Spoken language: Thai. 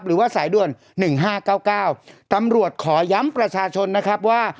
หรือว่าสายด้วนหนึ่งห้าเก้าเก้าตำรวจขอย้ำประชาชนนะครับว่า